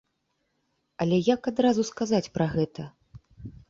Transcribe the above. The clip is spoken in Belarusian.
Але як адразу сказаць пра гэта?